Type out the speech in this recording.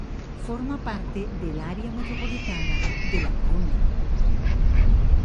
Forma parte del área metropolitana de La Coruña.